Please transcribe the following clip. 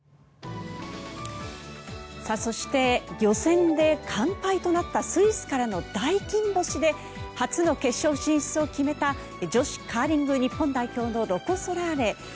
そして予選で完敗となったスイスからの大金星で初の決勝進出を決めた女子カーリング日本代表のロコ・ソラーレ。